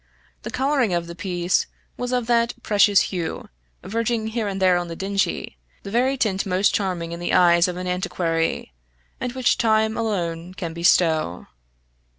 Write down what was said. The coloring of the piece was of that precious hue, verging here and there on the dingy, the very tint most charming in the eyes of an antiquary, and which Time alone can bestow.